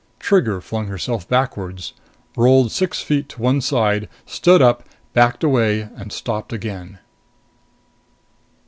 Trigger flung herself backwards, rolled six feet to one side, stood up, backed away and stopped again.